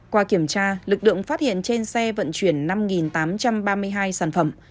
qua kiểm tra lực lượng phát hiện trên xe vận chuyển năm tám trăm ba mươi hai sản phẩm